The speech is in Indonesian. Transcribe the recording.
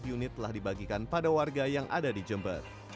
ini telah dibagikan pada warga yang ada di jember